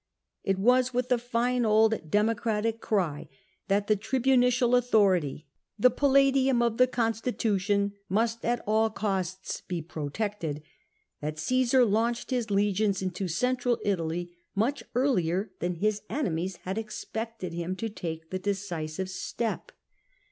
It was with the fitie old Democratic cry that the tribunicial authorit^y, the paP ladium of the constitution, must at all ('.osts be protected, that Ciesar lauuelied his legions into Central Italy, much earlier than his enemies had expected him to take the decisive step.